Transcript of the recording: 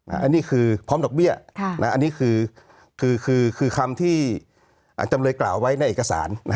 อันนี้คือพร้อมดอกเบี้ยอันนี้คือคำที่จำเลยกล่าวไว้ในเอกสาร